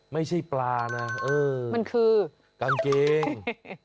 ไม่ใช่ปลานะเออมันคือกางเกง